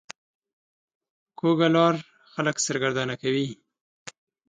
کوږه لار خلک سرګردانه کوي